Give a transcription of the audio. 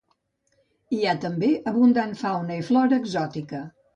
Hi ha també abundant fauna i flora exòtica.